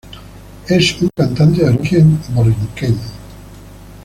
Es un cantante de origen puertorriqueño.